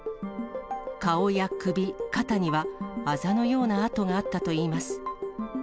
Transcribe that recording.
顔や首、肩にはあざのような痕があったといいます。